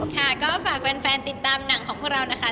ค่ะก็ฝากแฟนติดตามหนังของพวกเรานะคะ